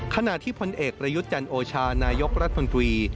ขณะที่พลเอกประยุทธ์จันโอชานายกรัฐมนตรี